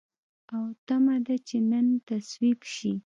او تمه ده چې نن تصویب شي.